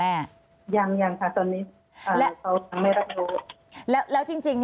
อันดับที่สุดท้าย